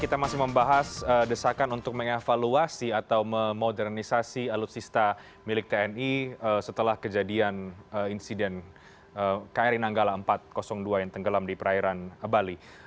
kita masih membahas desakan untuk mengevaluasi atau memodernisasi alutsista milik tni setelah kejadian insiden kri nanggala empat ratus dua yang tenggelam di perairan bali